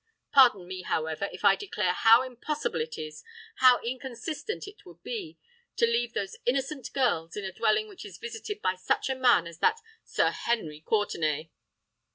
Pardon me, however, if I declare how impossible it is—how inconsistent it would be—to leave those innocent girls in a dwelling which is visited by such a man as that Sir Henry Courtenay."